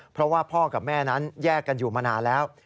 เพราะว่าพ่อกับแม่นั้นแยกกันอยู่มานานแล้ว